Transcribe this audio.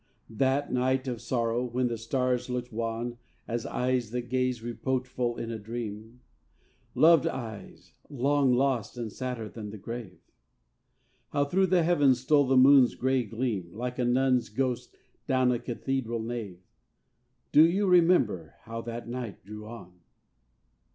That night of sorrow, when the stars looked wan As eyes that gaze reproachful in a dream, Loved eyes, long lost, and sadder than the grave? How through the heaven stole the moon's gray gleam, Like a nun's ghost down a cathedral nave? Do you remember how that night drew on?